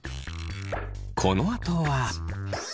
このあとは。